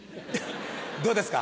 どうですか？